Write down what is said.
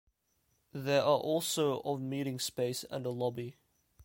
There are also of meeting space and a lobby.